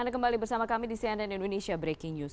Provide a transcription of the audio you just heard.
anda kembali bersama kami di cnn indonesia breaking news